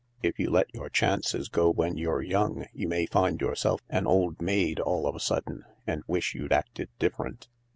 If you let your chances go when you're young you may find yourself an old maid all of a sudden, and wish you'd acted different.